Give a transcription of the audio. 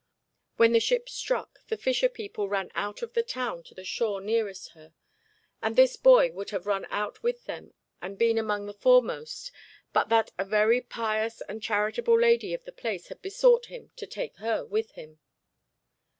When the ship struck, the fisher people ran out of the town to the shore nearest her, and this boy would have run out with them and been among the foremost but that a very pious and charitable lady of the place had besought him to take her with him.